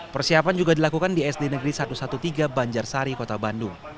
persiapan juga dilakukan di sd negeri satu ratus tiga belas banjarsari kota bandung